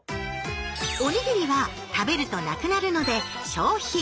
おにぎりは食べると無くなるので「消費」。